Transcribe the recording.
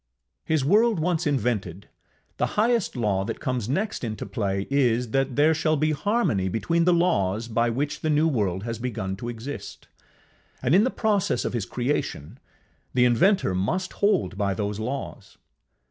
His world once invented, the highest law that comes next into play is, that there shall be harmony between the laws by which the new world has begun to exist; and in the process of his creation, the inventor must hold by those laws.